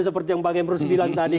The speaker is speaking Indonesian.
seperti yang bang emrus bilang tadi